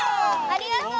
ありがとう！